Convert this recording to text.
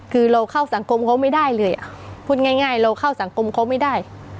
คือเราเข้าสังคมเขาไม่ได้เลยพูดง่ายเราเข้าสังคมเขาไม่ได้